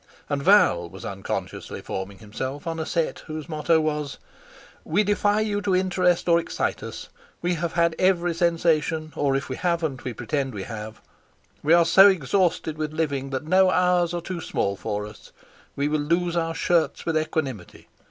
And Val was unconsciously forming himself on a set whose motto was: "We defy you to interest or excite us. We have had every sensation, or if we haven't, we pretend we have. We are so exhausted with living that no hours are too small for us. We will lose our shirts with equanimity.